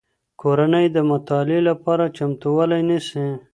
کورنۍ د مطالعې لپاره چمتووالی نیسي.